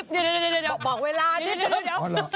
เดี๋ยวบอกเวลานิดนึง